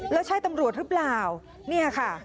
แล้วใช่ตำรวจหรือเปล่าเนี่ยค่ะ